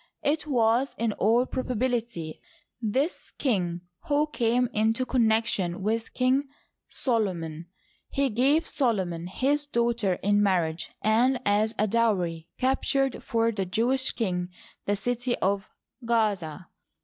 It was in all probability this king who came into connection with King Solomon. He gave Solomon his daughter in marriage, and as a dowry captured for the Jewish king the city of Gaza.